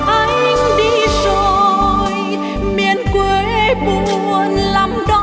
anh đi rồi miền quê buồn lắm đó